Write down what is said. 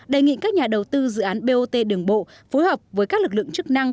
đề nghị các nhà đầu tư dự án bot đường bộ phối hợp với các lực lượng chức năng